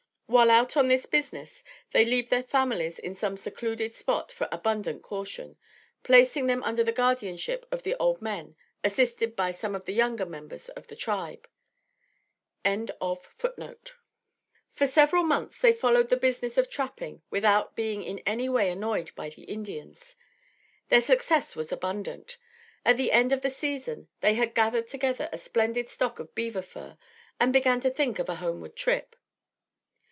While out on this business, they leave their families in some secluded spot for abundant caution, placing them under the guardianship of the old men, assisted by some of the younger members of the tribe.] For several months they followed the business of trapping without being in any way annoyed by the Indians. Their success was abundant. At the end of the season they had gathered together a splendid stock of beaver fur and began to think of a homeward trip.